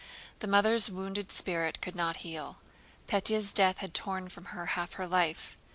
The mother's wounded spirit could not heal. Pétya's death had torn from her half her life.